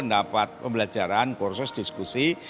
dapat pembelajaran kursus diskusi